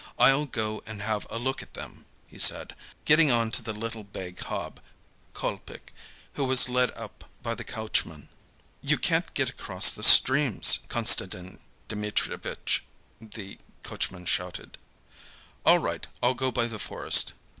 I'll go and have a look at them," he said, getting on to the little bay cob, Kolpik, who was led up by the coachman. "You can't get across the streams, Konstantin Dmitrievitch," the coachman shouted. "All right, I'll go by the forest."